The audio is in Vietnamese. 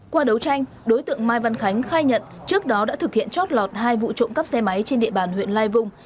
qua đấu tranh đối tượng mai văn khánh khai nhận trước đó đã thực hiện chót lọt hai vụ trộm cắp xe máy trên địa bàn huyện lai vung